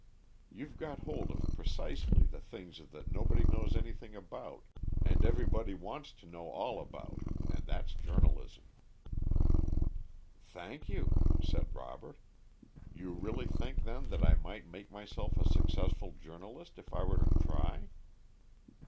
You've got hold of precisely the things that nobody knows anything about and everybody wants to know all about, and that's journalism." "Thank you," said Robert. "You really think, then, that I might make myself a successful journalist if I were to try?"